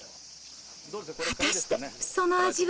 果たしてその味は？